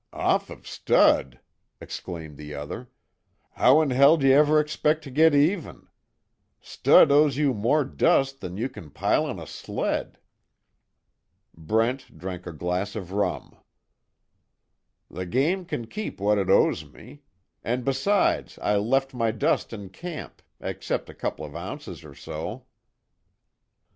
"Off of stud!" exclaimed the other, "How in hell d'you ever expect to git even? Stud owes you more dust than you kin pile on a sled!" Brent drank a glass of rum: "The game can keep what it owes me. And besides I left my dust in camp except a couple of ounces, or so."